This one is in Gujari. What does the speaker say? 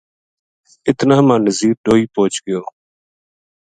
اتنا ما نزیر ڈوئی پوہچ گیو